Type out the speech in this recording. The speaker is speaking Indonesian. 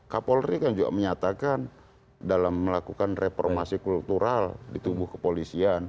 kapolri kan juga menyatakan dalam melakukan reformasi kultural di tubuh kepolisian